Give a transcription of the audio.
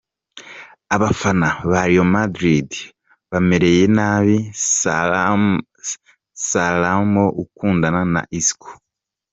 Abafana ba Real Madrid bamereye nabi Salamo ukundana na Isco.